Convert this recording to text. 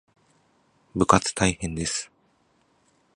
部活大変です